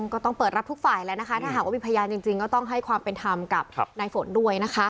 ก็ต้องเปิดรับทุกฝ่ายแล้วนะคะถ้าหากว่ามีพยานจริงก็ต้องให้ความเป็นธรรมกับนายฝนด้วยนะคะ